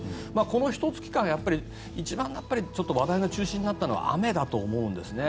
この、ひと月間一番話題の中心になったのは雨だと思うんですね。